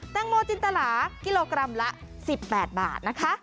แตงโมจินตลากิโลกรัมละ๑๘บาทนะคะ